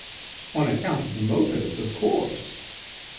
"On account of the motors, of course."